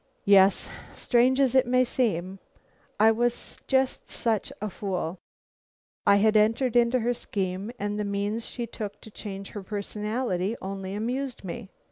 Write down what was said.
"Yes; strange as it may seem, I was just such a fool. I had entered into her scheme, and the means she took to change her personality only amused me.